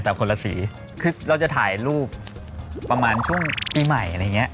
แต่คนละสีคือเราจะถ่ายรูปประมาณช่วงปีใหม่อะไรอย่างเงี้ย